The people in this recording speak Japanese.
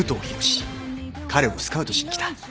彼をスカウトしに来た。